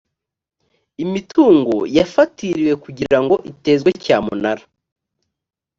imitungo yfatiriwe kugira ngo itezwe cyamunara .